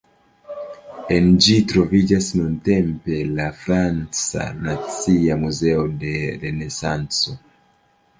En ĝi troviĝas nuntempe la "Franca Nacia Muzeo de Renesanco".